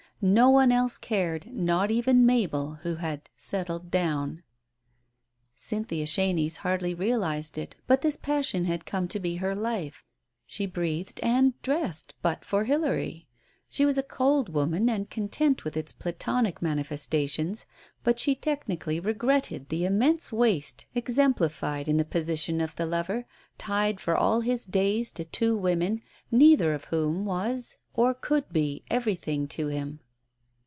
No one else cared, not even Mabel, who had "settled down." Cynthia Chenies hardly realized it, but this passion had come to be her life. She breathed and dressed but for Hilary. She was a cold woman, and content with its platonic manifestations, but she technically regretted the immense waste exemplified in the position of the Digitized by Google THE MEMOIR 81 lover, tied for all his days to two women, neither of whom was or could be everything to him.